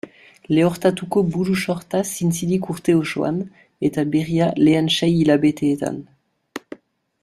Lehortutako buru-sorta zintzilik urte osoan, eta berria lehen sei hilabeteetan.